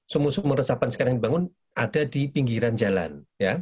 sumur sumur resapan sekarang yang dibangun ada di pinggiran jalan